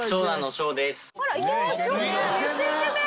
翔くんめっちゃイケメン！